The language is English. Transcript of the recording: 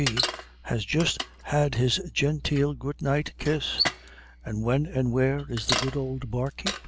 G. has just had his genteel goodnight kiss; and when and where is the good old bar keep?"